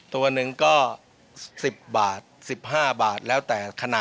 ตัวหนึ่งก็๑๐บาท๑๕บาทแล้วแต่ขนาด